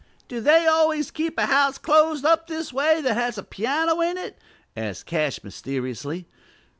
"Do they always keep a house closed up this way that has a piano in it?" asked Cash mysteriously.